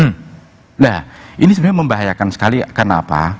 nah ini sebenarnya membahayakan sekali kenapa